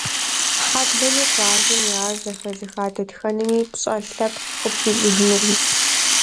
Хьэблэми, къуажэми, ар зэхэзыха дэтхэнэми пщӀэ лъэпкъ къыпхуищӀыжынукъым.